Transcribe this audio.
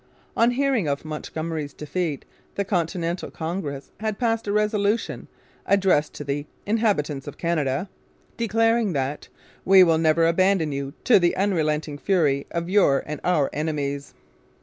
On hearing of Montgomery's defeat the Continental Congress had passed a resolution, addressed to the 'Inhabitants of Canada' declaring that 'we will never abandon you to the unrelenting fury of your and our enemies.'